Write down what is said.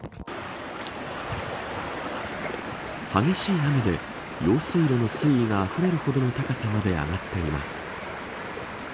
激しい雨で用水路の水位があふれるほどの高さまで上がっています。